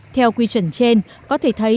theo quy chuẩn trên có thể thấy